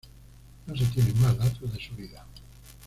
No se tienen más datos de su vida.